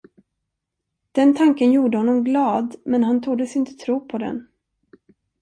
Den tanken gjorde honom glad, men han tordes inte tro på den.